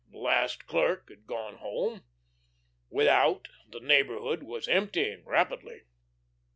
The last clerk had gone home. Without, the neighbourhood was emptying rapidly.